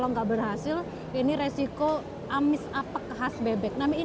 mis apa ke khas bebek